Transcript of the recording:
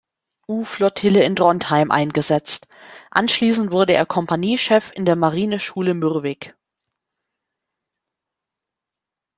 U-Flottille in Drontheim eingesetzt, anschließend wurde er Kompaniechef in der Marineschule Mürwik.